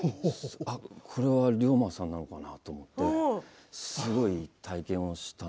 あっ、これは龍馬さんなのかな？と思ってええ！